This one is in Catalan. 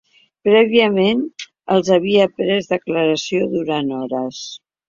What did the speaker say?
Prèviament, els havia pres declaració durant hores.